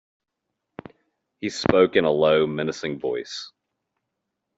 He spoke in a low, menacing voice.